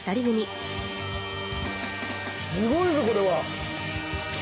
すごいぞこれは！